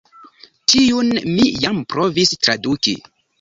Tiun mi jam provis traduki.